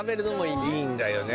いいんだよね。